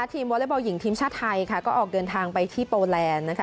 ทีมวอเลเวอร์เบาหญิงทีมชาติไทยก็ออกเดินทางไปที่โปรแลนด์